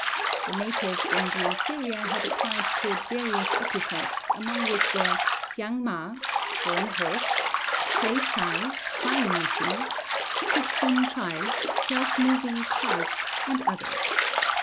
The natives in the interior had applied to it various epithets, among which were yang ma (foreign horse), fei chay (flying machine), szudzun chay (self moving cart), and others.